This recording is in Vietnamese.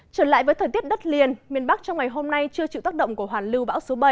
trở lại với thời tiết đất liền miền bắc trong ngày hôm nay chưa chịu tác động của hoàn lưu bão số bảy